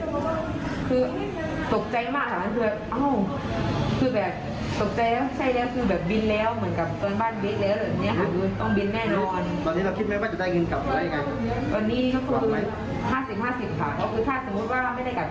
คือตกใจมากค่ะมันคืออ้าวคือแบบตกใจแล้วใช่แล้ว